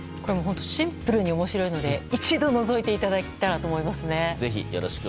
シンプルに面白いので一度、のぞいていただけたらと思いますね。